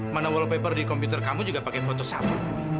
mana wallpaper di komputer kamu juga pakai foto sava